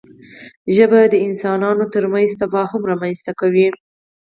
ژبه د انسانانو ترمنځ تفاهم رامنځته کوي